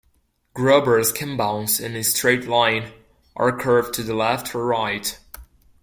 Grubbers can bounce in a straight line, or curve to the left or right.